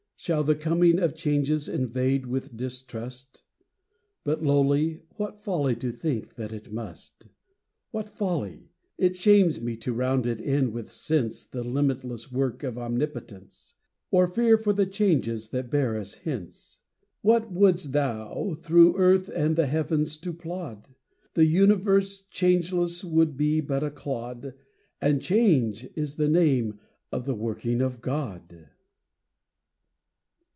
Shall the coming of changes invade with distrust ? Bow lowly, what folly to think that it must. What folly ! It shames me to round in with sense The limitless work of omnipotence, Or fear for the changes that bear us hence. What wouldst thou, through earth and the heavens to plod ? The universe changeless would be but a clod, And change is the name of the working of God.